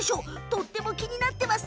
とっても気になってます！